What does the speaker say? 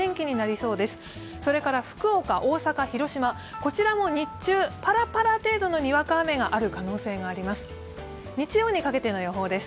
それから福岡、大阪、広島、こちらも日中ぱらぱら程度のにわか雨が降る可能性があります。